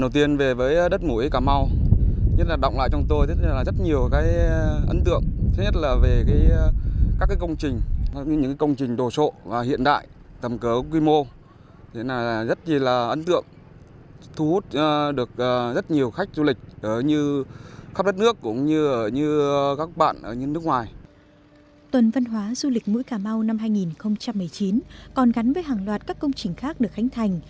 tuần văn hóa du lịch mũi cà mau năm hai nghìn một mươi chín còn gắn với hàng loạt các công trình khác được khánh thành